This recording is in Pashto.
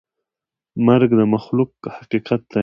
مرګ د مخلوق حقیقت دی.